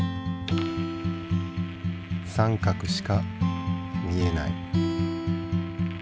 三角しか見えない。